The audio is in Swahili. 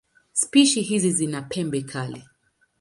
Spishi hizi zina pembe kali.